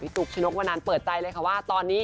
ตุ๊กชนกวนันเปิดใจเลยค่ะว่าตอนนี้